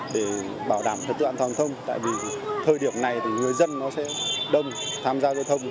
để bảo đảm trật tự an toàn thông tại vì thời điểm này thì người dân nó sẽ đông tham gia giao thông